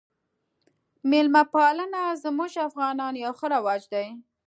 میلمه پالنه زموږ افغانانو یو ښه رواج دی